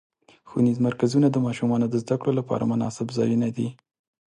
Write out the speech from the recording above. ښوونیز مرکزونه د ماشومانو د زدهکړو لپاره مناسب ځایونه دي.